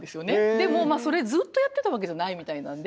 でもそれずっとやってたわけじゃないみたいなんで。